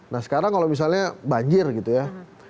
nah sekarang kalau misalnya banjir gitu ya